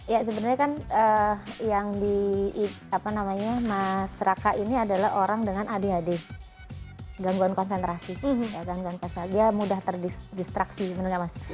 ya sebenernya kan yang di apa namanya mas raka ini adalah orang dengan adhd gangguan konsentrasi dia mudah terdistraksi bener gak mas